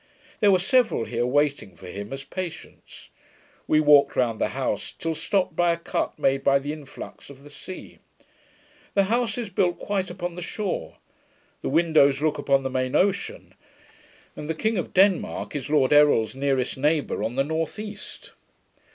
There were several here waiting for him as patients. We walked round the house till stopped by a cut made by the influx of the sea. The house is built quite upon the shore; the windows look upon the main ocean, and the King of Denmark is Lord Errol's nearest neighbour on the north east.